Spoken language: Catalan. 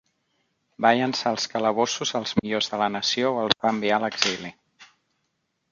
Va llançar als calabossos els millors de la nació o els va enviar a l'exili.